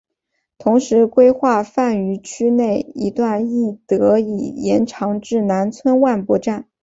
同时规划番禺区内一段亦得以延长至南村万博站。